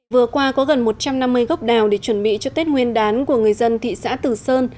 vừa qua có gần một trăm năm mươi gốc đào để chuẩn bị cho tết nguyên đán của người dân thị xã từ sơn